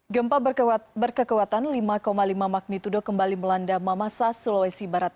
gempa berkekuatan lima lima magnitudo kembali melanda mamasa sulawesi barat